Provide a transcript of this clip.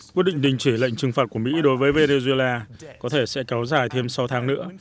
quyết định đình chỉ lệnh trừng phạt của mỹ đối với venezuela có thể sẽ kéo dài thêm sáu tháng nữa